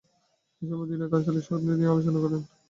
এ সময় দুই নেতা আঞ্চলিক শান্তি নিয়ে আলোচনা করেন।